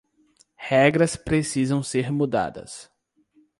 Regras precisam ser mudadas.